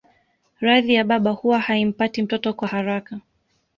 Radhi ya baba huwa haimpati mtoto kwa haraka